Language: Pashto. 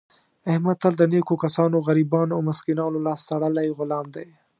احمد تل د نېکو کسانو، غریبانو او مسکینانو لاس تړلی غلام دی.